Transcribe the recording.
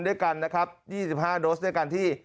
ด้วยกันนะครับ๒๕โดสด้วยกันที่